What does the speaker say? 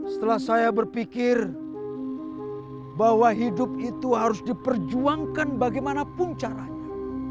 setelah saya berpikir bahwa hidup itu harus diperjuangkan bagaimanapun caranya